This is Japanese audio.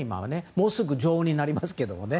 もうすぐ女王になりますけどね。